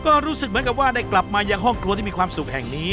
ก็รู้สึกเหมือนกับว่าได้กลับมายังห้องครัวที่มีความสุขแห่งนี้